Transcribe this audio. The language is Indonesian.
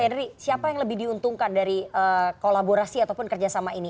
henry siapa yang lebih diuntungkan dari kolaborasi ataupun kerjasama ini